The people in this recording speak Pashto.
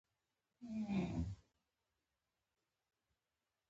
ماڼۍ خالي پاتې شوې